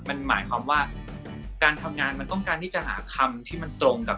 มันหมายความว่าการทำงานมันต้องการที่จะหาคำที่มันตรงกับ